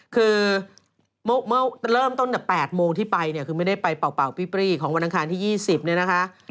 คือเมื่อเริ่มต้นแต่๘โมงที่ไปเนี่ยคือไม่ได้ไปเป่าปี้ของวันอังคารที่๒๐เนี่ยนะคะ